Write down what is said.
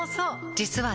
実はね